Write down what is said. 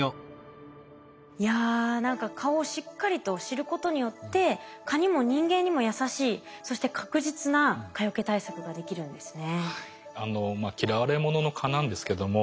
いや何か蚊をしっかりと知ることによって蚊にも人間にも優しいそして確実な蚊よけ対策ができるんですね。